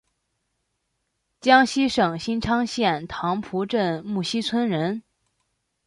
江西省新昌县棠浦镇沐溪村人。